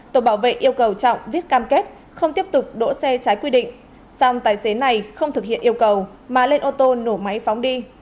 tổ bảo vệ yêu cầu trọng viết cam kết không tiếp tục đỗ xe trái quy định song tài xế này không thực hiện yêu cầu mà lên ô tô nổ máy phóng đi